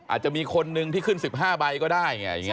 อาจจะมีคนนึงที่ขึ้น๑๕ใบก็ได้ไง